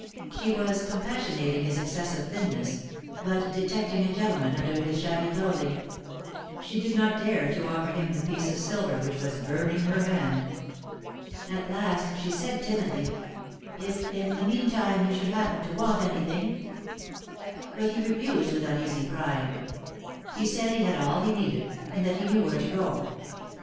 She was compassionating his excessive thinness, but detecting a gentleman under his shabby clothing, she did not dare to offer him the piece of silver which was burning her hand. At last she said, timidly : "If in the meantime you should happen to want any thing —" But he refused with uneasy pride ; he said he had all he needed, and that he knew where to go.